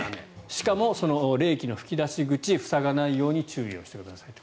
しかも冷気の吹き出し口を塞がないように注意してくださいと。